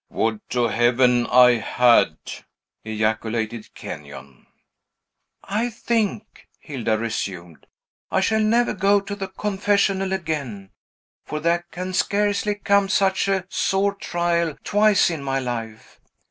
"Would to Heaven I had!" ejaculated Kenyon. "I think," Hilda resumed, "I shall never go to the confessional again; for there can scarcely come such a sore trial twice in my life.